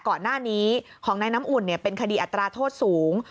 ก่อนหน้านี้ของนายน้ำอุ่นเป็นคดีอัตราโทษสูง